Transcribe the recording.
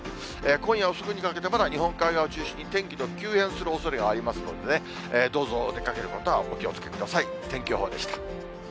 今夜遅くにかけて、まだ日本海側を中心に天気の急変するおそれがありますので、どうぞお出かけの方はお気をつけください。